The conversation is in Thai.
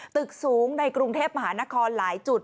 ตึกสูงในกรุงเทพมหานครหลายจุด